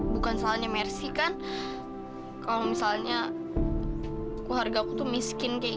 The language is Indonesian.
buat bayar listrik